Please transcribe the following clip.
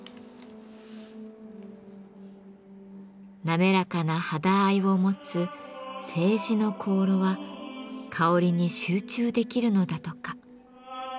滑らかな肌合いを持つ青磁の香炉は香りに集中できるのだとか。